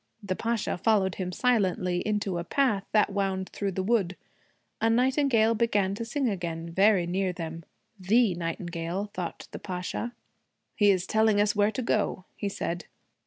The Pasha followed him silently into a path that wound through the wood. A nightingale began to sing again, very near them the nightingale, thought the Pasha. 'He is telling us where to go,' he said.